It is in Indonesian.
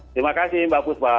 terima kasih mbak puspa